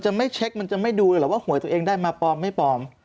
ไม่เช็คมันจะไม่ดูเลยเหรอว่าหวยตัวเองได้มาปลอมไม่ปลอม